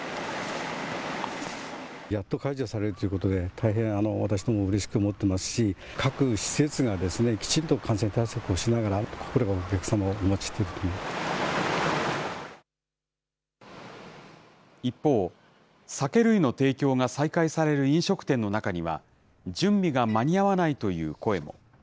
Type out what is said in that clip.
やっと解除されるということで、私ども、大変うれしく思ってますし、各施設がきちんと感染対策をしながら酒類の提供が再開される飲食店の中には、準備が間に合わないという声も。